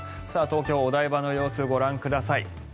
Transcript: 東京・お台場の様子ご覧ください。